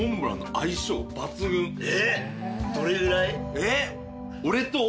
えっ！？